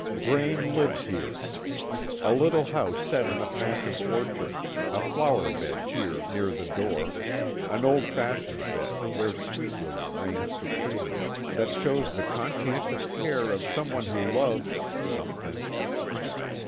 Braine lives here. A little house set in a patch of orchard, a flower bed here near the door an old fashioned bed where sweet william reigns supreme that shows the conscientious care of some one who loves something.